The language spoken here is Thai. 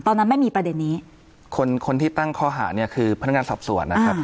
ตอนนั้นไม่มีประเด็นนี้คนคนที่ตั้งข้อหาเนี่ยคือพนักงานสอบสวนนะครับ